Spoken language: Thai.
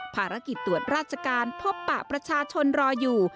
ภารกิจตรวจราชการพบปะประชาชนรออยู่